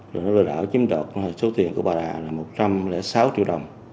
rồi nó đòi đảo chiếm đọt số tiền của bà đà là một trăm linh sáu triệu đồng